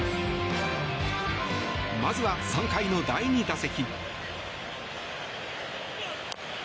まずは３回の第２打席。